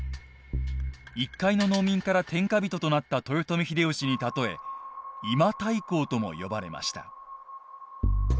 一介の農民から天下人となった豊臣秀吉に例え今太閤とも呼ばれました。